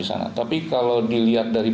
sana tapi kalau dilihat dari